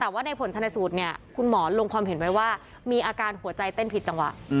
แต่ว่าในผลชนสูตรเนี่ยคุณหมอลงความเห็นไว้ว่ามีอาการหัวใจเต้นผิดจังหวะ